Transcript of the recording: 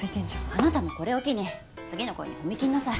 あなたもこれを機に次の恋に踏み切んなさい。